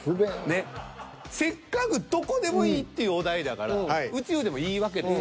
ねっせっかくどこでもいいっていうお題だから宇宙でもいいわけです。